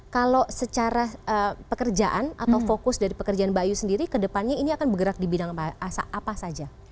kalau secara pekerjaan atau fokus dari pekerjaan mbak ayu sendiri kedepannya ini akan bergerak di bidang apa saja